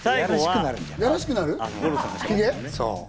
いやらしくなる。